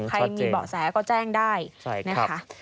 ใครมีเบาะแสก็แจ้งได้นะคะ